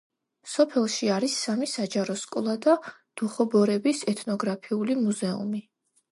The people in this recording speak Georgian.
სოფელში არის სამი საჯარო სკოლა და დუხობორების ეთნოგრაფიული მუზეუმი.